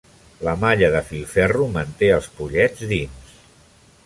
La malla de filferro manté als pollets dins.